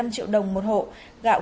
một mươi năm triệu đồng một hộ gạo